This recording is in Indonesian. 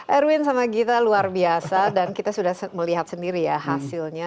erwin sama gita luar biasa dan kita sudah melihat sendiri ya hasilnya